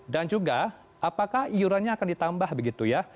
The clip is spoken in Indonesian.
dan juga apakah iurannya akan ditambah begitu ya